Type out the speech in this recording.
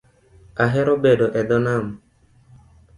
Ahero bedo e dhoo nam